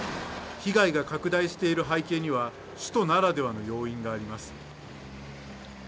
被害が拡大している背景には、首都ならではの要因があります。